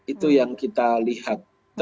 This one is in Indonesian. itu yang kita lihat